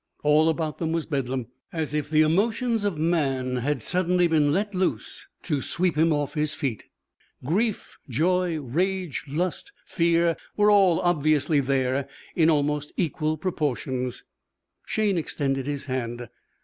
All about them was bedlam, as if the emotions of man had suddenly been let loose to sweep him off his feet. Grief, joy, rage, lust, fear were all obviously there in almost equal proportions. Shayne extended his hand.